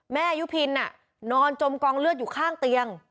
ยุพินนอนจมกองเลือดอยู่ข้างเตียง